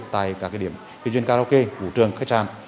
tại các điểm kinh doanh karaoke vũ trường khách sạn